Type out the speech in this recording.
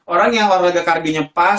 orang yang warna kardionya pas